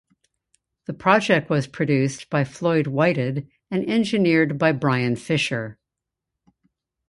The project was produced by Floyd Whited and engineered by Brian Fisher.